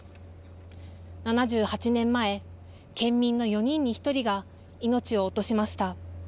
７８年前、県民の４人に１人が命を落としました。